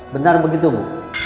benar begitu bu